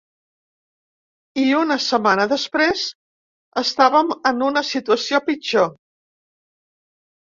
I una setmana després, estàvem en una situació pitjor.